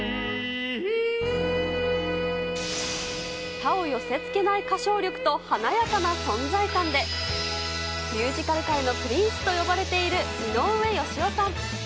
他を寄せつけない歌唱力と、華やかな存在感で、ミュージカル界のプリンスと呼ばれている井上芳雄さん。